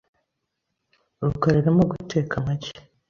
rukara arimo guteka amagi .